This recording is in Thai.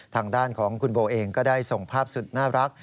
ทางด้านของคุณโบเองก็ได้ส่งภาพสุดน่ารัก